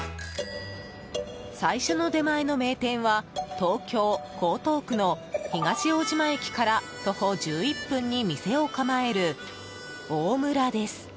最初の出前の名店は東京・江東区の東大島駅から徒歩１１分に店を構える、大むらです。